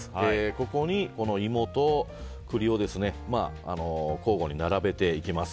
ここに芋と栗を交互に並べていきます。